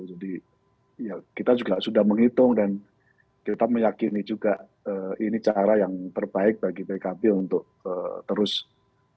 jadi kita sudah menghitung dan kita meyakini juga ini cara yang terbaik bagi pkp untuk terus berusaha